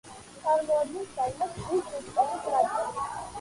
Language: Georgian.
წარმოადგენს საიმას ტბის სისტემის ნაწილს.